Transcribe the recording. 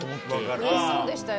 うれしそうでしたよ。